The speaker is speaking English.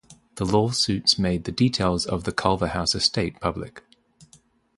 The lawsuits made the details of the Culverhouse estate public.